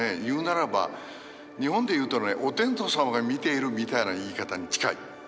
言うならば日本で言うとねお天道様が見ているみたいな言い方に近い。